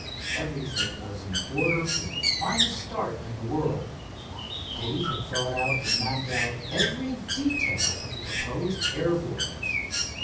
Everything was in order for the finest start in the world. Dave had thought out and mapped out every detail of the proposed air voyage.